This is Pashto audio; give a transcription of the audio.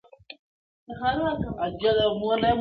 نوره خندا نه کړم زړگيه، ستا خبر نه راځي.